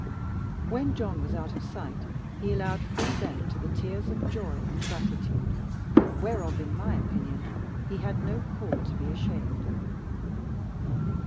When John was out of sight he allowed free vent to the tears of joy and gratitude, whereof, in my opinion, he had no call to be ashamed.